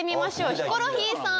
ヒコロヒーさん！